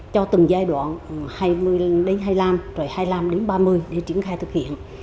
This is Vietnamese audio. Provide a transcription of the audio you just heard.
cho từng giai đoạn hai mươi đến hai mươi năm rồi hai mươi năm đến ba mươi để triển khai thực hiện